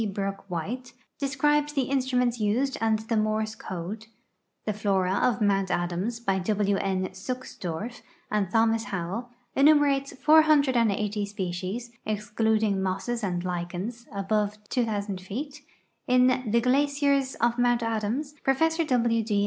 Brook White, describes the instruments used and the Morse code ; The Flora of Mount Adams, by W. N. Suksdorf and Thomas Howell, enumerates 480 species (excluding mosses and lichens) above 2,000 feet; in The Glaciers of Mount Adams Prof. W. D.